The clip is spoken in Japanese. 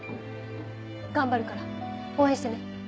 頑張るから応援してね。